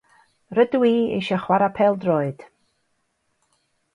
Rydw i eisiau chwarae pêl-droed.